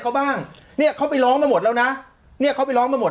เขาบ้างเนี่ยเขาไปร้องมาหมดแล้วนะเนี่ยเขาไปร้องมาหมด